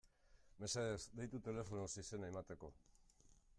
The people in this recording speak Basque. Mesedez, deitu telefonoz izena emateko.